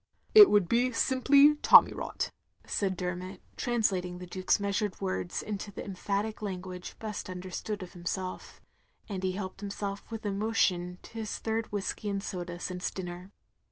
"" It wotdd be simply tommy rot, " said Dermot, translating the Duke's meastired words into the emphatic language best understood of himself; and he helped himself with emotion to his third whiskey and soda since dinner.